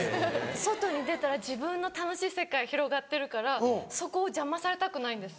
外に出たら自分の楽しい世界が広がってるからそこを邪魔されたくないんです。